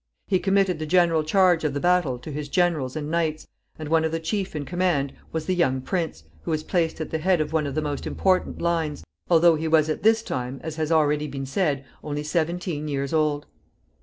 He committed the general charge of the battle to his generals and knights, and one of the chief in command was the young prince, who was placed at the head of one of the most important lines, although he was at this time, as has already been said, only seventeen years old.